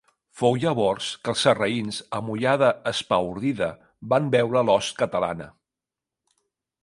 Fou llavors que els sarraïns, amb ullada espaordida, van veure l’host catalana.